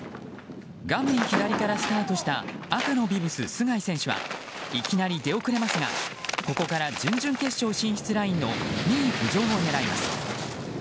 画面左からスタートした赤のビブス、須貝選手はいきなり出遅れますがここから準決勝進出ラインの２位浮上を狙います。